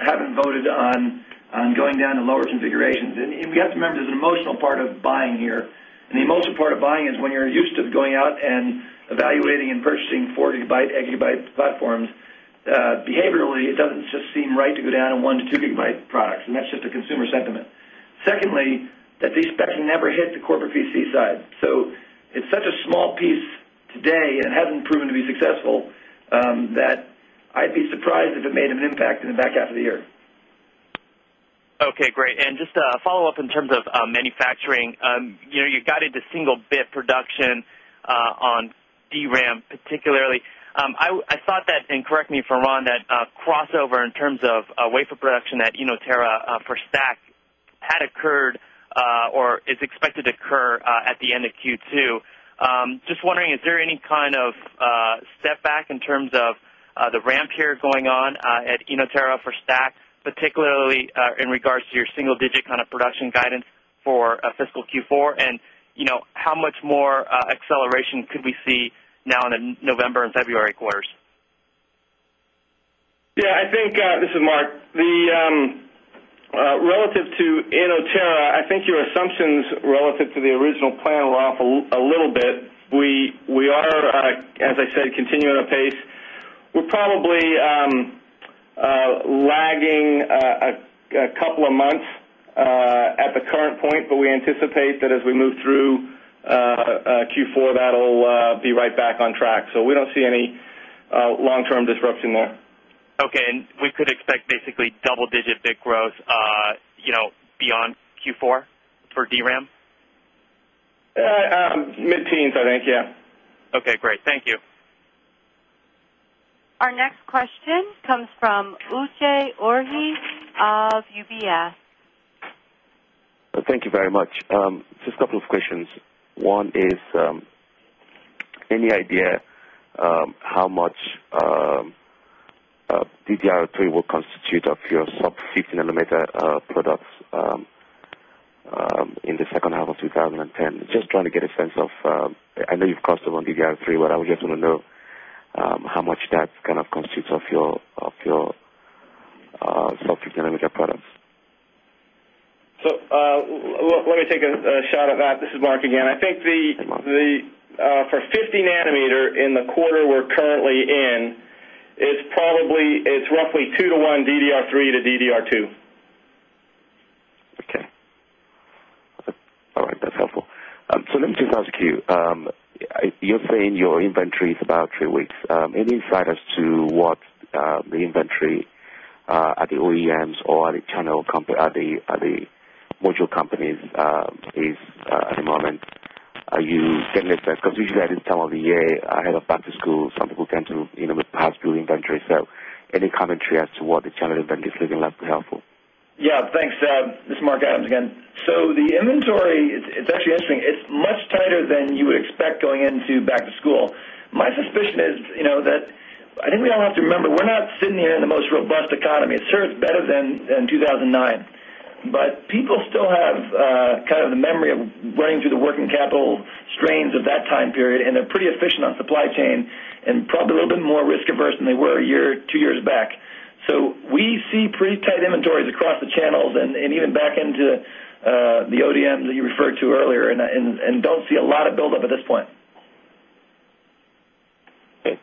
haven't voted on on going down to lower configurations. And you've got to remember the emotional part of buying here. And the most part of buying is when you're used to going out and evaluating and purchasing 4 gigabytes, equity bytes platforms, behaviorally, it doesn't just seem right to go down in 1 to 2 gigabyte products. And that's just a consumer sentiment. Secondly, that these specks never hit the corporate PC side. So it's such a small piece today and it hasn't proven to be successful, that I'd be surprised if it may have an impact in the back half of the year. Okay, great. And just a follow-up in terms of manufacturing. You guided single bit production, on DRAM, particularly. I thought that, and correct me if I'm wrong, that crossover in terms of a wafer production at Inoterra for STACK had occurred, or is expected occur, at the end of Q2. Just wondering, is there any kind of, step back in terms of, the ramp here going on at Innoterra for STACK particularly in regards to your single digit kind of production guidance for fiscal Q4? And how much more acceleration could we see now in November February quarters? Yes, I think, this is Mark. Relative to in Oterra, I think your assumptions relative to the original plan were off a little bit. We are, as I said, continuing on a pace We're probably, lagging a couple of months at the current point, but we anticipate that as we move through Q4 that'll be right back on track. So we don't see any long term disruption there. Okay. And we could expect basically double digit bit growth beyond Q4 for DRAM? Mid teens, I think. Yeah. Okay, great. Thank you. Our next question comes Thank you very much. Just a couple of questions. One is, any idea how much DTRO3 will constitute up your sub 15 nanometer products, in the second half of twenty ten. Just trying to get a sense of, know you've costed on DDR3, but I would just want to know, how much that kind of constitutes of your, of your self explanatory products? So, let me take a shot of that. This is Mark again. I think the for 50 nanometer in the quarter we're currently in, is probably it's roughly 2 to 1 DDR3 to DDR2. Okay. All right. That's helpful. So let me just ask you. You're saying your inventory is about 3 weeks. Any insight as to what the inventory at the OEMs or at the channel or the module companies is at the moment. Are you getting that sense? Because we should add some of the year ahead of back to school. Some people tend to, you know, with past building ventures. So any commentary as to what the channel event is looking like would be helpful? Yeah. Thanks. This is Mark Adams again. So the inventory, it's actually interesting. It's much tighter than you would expect going into back to school. My suspicion is that I think we all have to remember we're not sitting here in the most robust economy. It serves better than 2009. But people still have kind of the memory of running through the working capital strains of that time period and they're pretty efficient on supply chain and probably a little bit more risk averse than they were a year or 2 years back. So we see pretty tight inventories across the channels and even back into the ODM that you referred to earlier and don't see a lot of buildup at this point. Okay.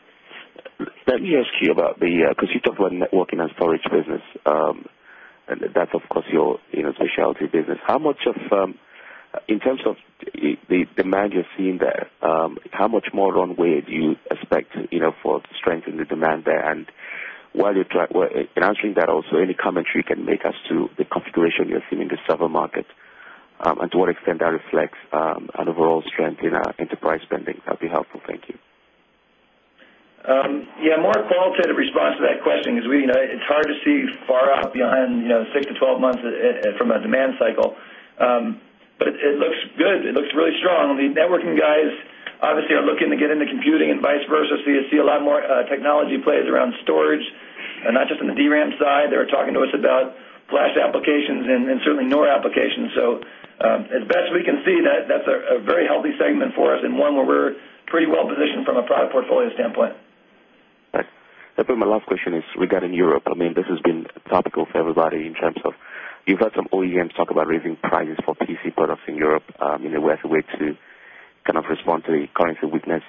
Let me ask you about the because you talked about networking and storage business, and that's of course your specialty business. How much of In terms of the demand you're seeing there, how much more on weight do you expect for strength and the demand there? And while you're answering that also any commentary can make us to the configuration you're seeing in the several market. And to what extent that reflects on overall strength in enterprise spending? That would be helpful. Thank you. Yes, Mark Paul said in response to that question is we it's hard to see far up behind 6 to 12 months from a demand cycle. But it looks good. It looks really strong. The networking guys obviously are looking to get into computing and vice versa. So you see a lot more technology plays around storage and not just on the DRAM side. They were talking to us about flash applications and certainly newer applications. So, as best we can see that, that's a very healthy segment for us and one where we're pretty well positioned from a product portfolio standpoint. Okay. My last question is regarding Europe. I mean, this has been a topic of everybody in terms of you've had some OEMs talk about raising prices for PC products in Europe. The west way to kind of respond to the currency weakness.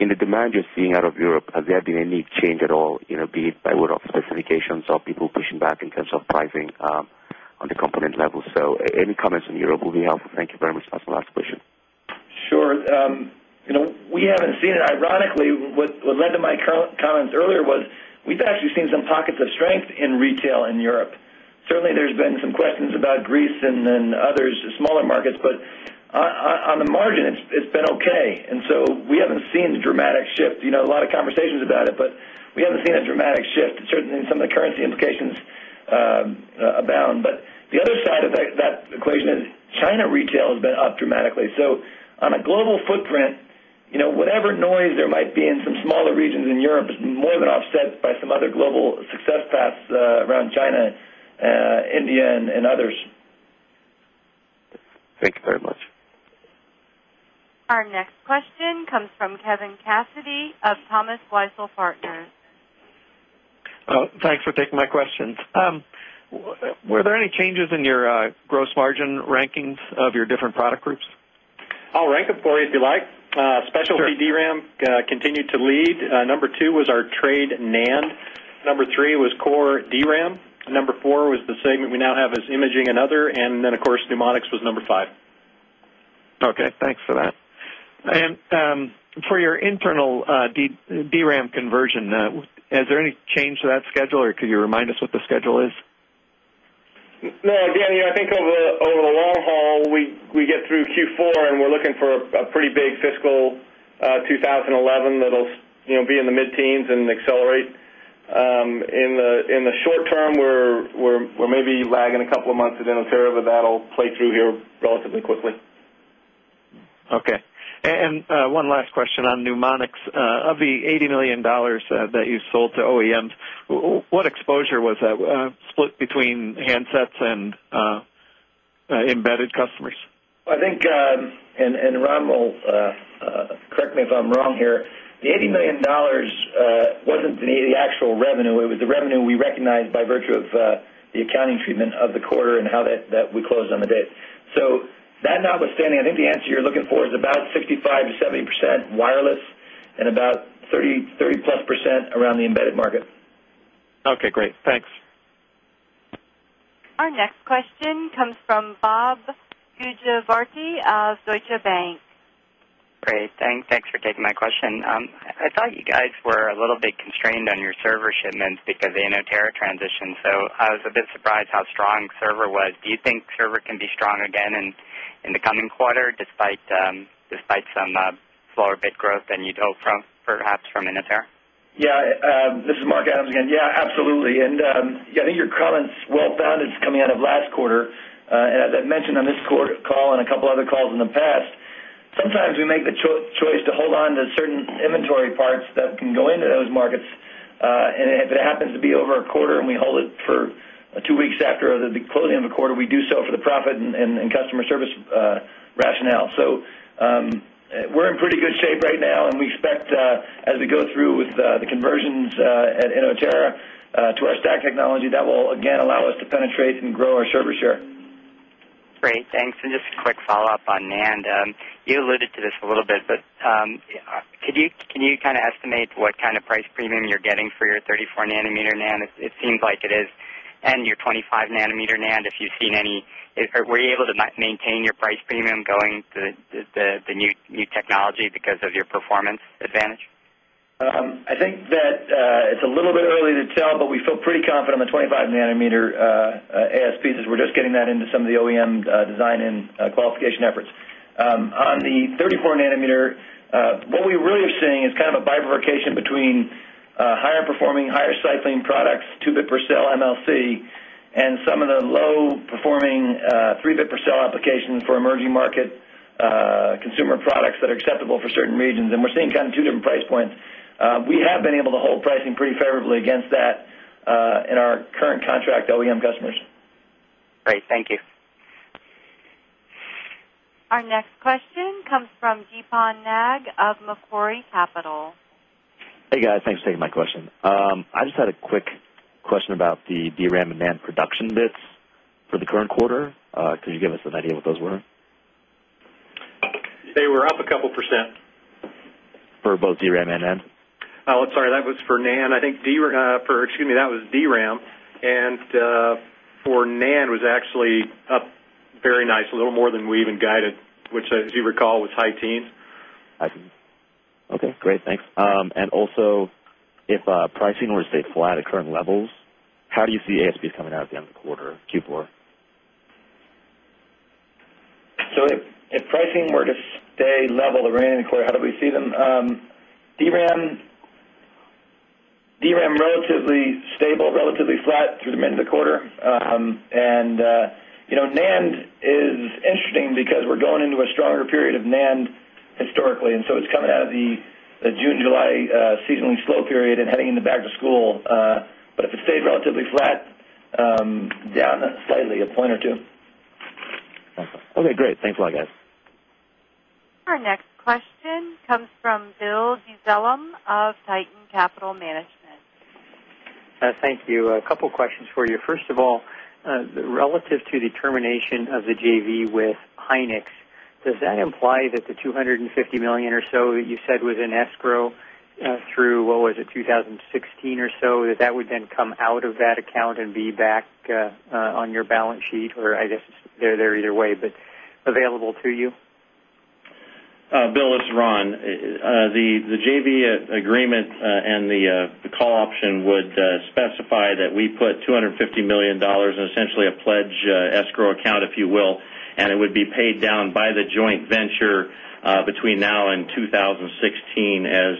In the demand you're seeing out of Europe, has there been a need change at all, be it by order of specifications of people back in terms of pricing on the component level. So any comments on Europe will be helpful. Thank you very much. That's my last question. Sure. We haven't seen it ironically. What led to my comments earlier was we've actually seen some pockets of strength in retail and Europe. Certainly, there's been some questions about Greece and others, smaller markets. But on the margin, it's been okay. And so we haven't seen a dramatic shift. A lot of conversations about it, but we haven't seen a dramatic shift. It's certainly some of the currency implications abound, but The other side of that equation is China retail has been up dramatically. So on a global footprint, whatever noise there might be in some all the regions in Europe is more than offset by some other global success paths around China, India and others. Thank you very much. Our next question comes from Kevin Cassidy of Thomas Weisel Partners. Thanks for taking my questions. Were there any changes in your gross margin rankings of your different product groups? I'll rank it for you if you like. Specialty DRAM, continued to lead. Number 2 was our trade NAND. Number 3 was core DRAM. Number 4 was the segment we now have as imaging another and then of course NeuMoDx was number 5. Okay. Thanks for that. And, for your internal DRAM conversion, is there any change to that schedule or could you remind us what the schedule is? No. Again, I think over the long haul, we get through Q4 and we're looking for a pretty big fiscal 2011 that'll be in the mid teens and accelerate. In the short term, we're maybe lagging a couple of months at Innovero, but that'll play through here relatively quickly. Okay. And one last question on Mnemonics. Of the $80,000,000 that you sold to OEMs, what exposure was that? Split between handsets and, embedded customers? Well, I think, and Ron will correct me if I'm wrong here. The $80,000,000 wasn't an 80 actual revenue. It was the revenue we recognized by virtue of the accounting treatment of the quarter and how that we closed on the date. So that notwithstanding, I think the answer you're looking for is about 65% to 70% wireless and about 30 plus percent around the embedded market. Our next question comes for taking my question. I thought you guys were a little bit constrained on your server shipments because in Oterra transition. So a bit surprised how strong server was. Do you think server can be strong again in the coming quarter despite, despite some flower bit growth than you'd hope from perhaps from Innovair? Yes. This is Mark Adams again. Yes, absolutely. And, I think your comments well found is coming out of last quarter. And as I mentioned on this call and a couple of other calls in the past, sometimes we make the choice to hold on to certain inventory parts that can go into those markets And if it happens to be over a quarter and we hold it for 2 weeks after the closing of the quarter, we do so for the profit and customer service rationale. So We're in pretty good shape right now. And we expect as we go through with the conversions in Oterra, to our STACK technology that will again allow us to penetrate and grow our service share. Great. Thanks. And just a quick follow-up on NAND. You alluded to this a little bit, but Could you can you kind of estimate what kind of price premium you're getting for your 34 nanometer NAND? It seems like it is and your 25 nanometer NAND if you've seen any Were you able to maintain your price premium going to the the new new technology because of your performance advantage? I think that it's a little bit early to tell, but we feel pretty confident on the 25 nanometer ASPs as we're just getting that into some of the OEM design in qualification efforts. On the 34 nanometer, what we really are seeing is kind of a bifurcation between higher performing, higher cycling products, 2 bit per cell MLC, and some of the low performing, 3 bit per cell applications for emerging market consumer products that are acceptable for certain regions and we're seeing kind of 2 different price points. We have been able to hold pricing pretty favorably against that. In our current contract OEM customers. Great. Thank you. Our next question comes from Deepaun Nag of Macquarie Capital. Hey, guys. Thanks for taking my question. I just had a quick question about the DRAM and NAND production mix. For the current quarter. Could you give us an idea what those were? They were up a couple of percent. For both DRAM and N? Oh, sorry, that was for NAND. I think DRAM, for excuse me, that was DRAM. And, for NAND was actually up very nice, a little more than we even guided which as you recall was high teens. High teens. Okay, great. Thanks. And also if pricing orders stayed flat at current levels, do you see ASPs coming out at the end of the quarter or Q4? So if pricing were to day level of rain in the quarter? How do we see them? DRAM, DRAM relatively stable, relatively flat the remainder of the quarter. And NAND is interesting because we're going into a stronger period of NAND historically. And so it's coming out of the the June, July seasonally slow period and heading into back to school, but it's a state relatively flat, down slightly a point or 2. Okay, great. Thanks a lot guys. Our next question comes from Bill Dezellem of Tieton Capital Management. Thank you. A couple of questions for you. First of all, relative to the termination of the JV with Hynix, does that imply that the $250,000,000 or so that you said was an escrow through, what was it, 2016 or so that would then come out of that account feedback on your balance sheet or I guess they're there either way, but available to you? Bill, it's Ron. The JV agreement and the, the call option would specify that we put $250,000,000 essentially a pledge escrow account, if you will. And it would be paid down by the joint venture, between now and 2016 as,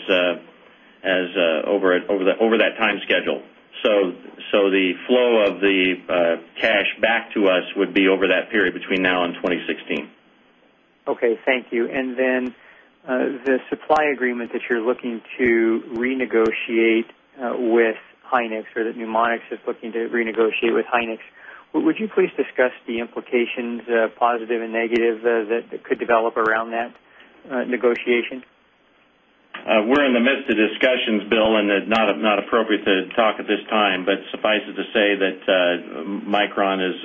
as, over that time schedule. So the flow of the, cash back to us would be over that period between now 2016. Okay. Thank you. And then the supply agreement that you're looking to renegotiate with Hynix or that Mnemonix is looking to renegotiate with Hynix, would you please discuss the implications, positive and negative that could develop around that? Negotiation? We're in the midst of discussions, Bill, and it's not appropriate to talk at this time, but suffice it to say that micron is,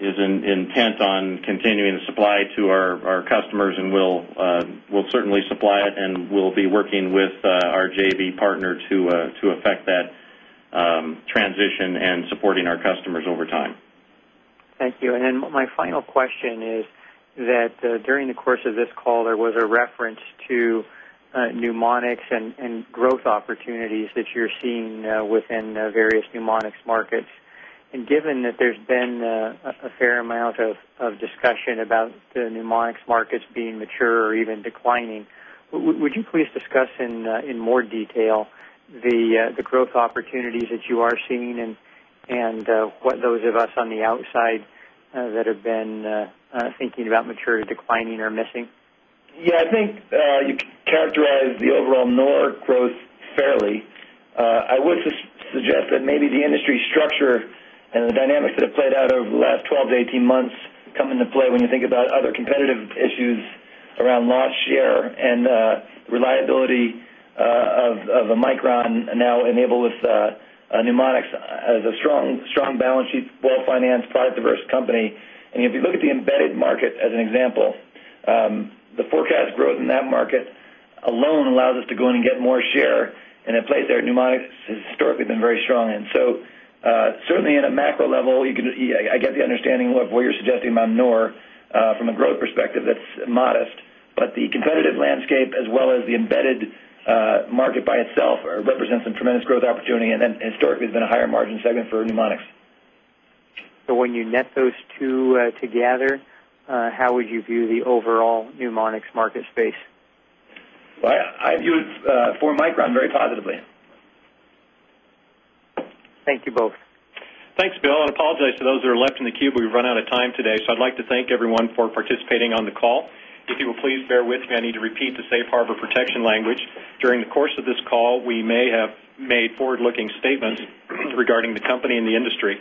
is intent on continuing to supply to our customers and we'll, we'll certainly supply it and we'll be working with our JV partner to affect that transition and supporting our customers over time. Thank you. And then my final question is, that during the course of this call, there was a reference to mnemonics and growth opportunities you're seeing within various mnemonics markets. And given that there's been a fair amount of discussion about the mnemonics markets being mature or even declining, would you please discuss in more detail the growth opportunities that you are seeing and what those of us on the outside that have been, thinking about maturity declining or missing. Yes, I think you could characterize the overall NOR growth fairly. I would suggest that maybe the industry structure and the dynamics that have played out over the last 12 to 18 months come into play when you think about other competitive issues around loss share and reliability of a Micron now enabled with NeuMoDx as a strong balance sheet, well financed product diverse company if you look at the embedded market as an example, the forecast growth in that market alone allows us to go in and get more share a place there at NeuMoDx has historically been very strong. And so, certainly in a macro level, you could I get the understanding of what you're suggesting on Nore from a growth perspective that's modest. But the competitive landscape as well as the embedded market by itself represents a tremendous growth opportunity and then historically has been margin segment for Pneumonics. So when you net those 2 together, how would you view the overall Pneumonics market space? But I view it for Micron very positively. Thank you both. Thanks, Bill. I apologize for those that are left in the queue, but we've run out of time today. So, I'd like to thank everyone for participating on the call. If you will please bear with me, I need to repeat the safe harbor protection language, During the course of this call we may have made forward looking statements regarding the company and the industry